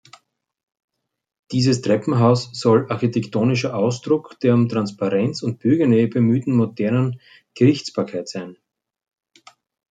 Dieses Treppenhaus soll architektonischer Ausdruck der um Transparenz und Bürgernähe bemühten modernen Gerichtsbarkeit sein.